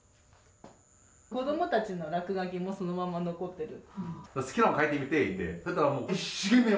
子どもたちの落書きもそのまま残ってる。